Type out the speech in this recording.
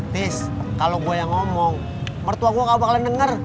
tis kalau gue yang ngomong mertua gue gak bakalan denger